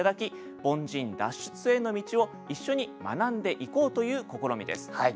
凡人脱出への道を一緒に学んでいこうという試みです。